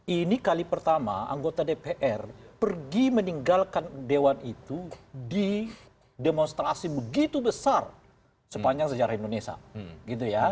ini kali pertama anggota dpr pergi meninggalkan dewan itu di demonstrasi begitu besar sepanjang sejarah indonesia gitu ya